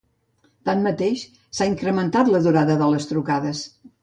Tanmateix, s'ha incrementat la durada de les trucades.